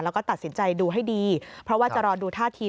แล้วก็ตัดสินใจดูให้ดีเพราะว่าจะรอดูท่าที